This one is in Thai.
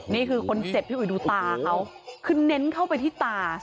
นี่คือคนเจ็บพี่อุ๋ยดูตาเขาคือเน้นเข้าไปที่ตา